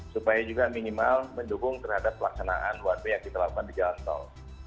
supaya juga minimal mendukung terhadap pelaksanaan wap yang dilakukan di jalan tol